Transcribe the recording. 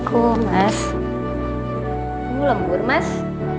kamu lembur mas